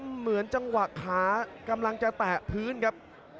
เหมือนจังหวะขากำลังจะแตะพื้นครับ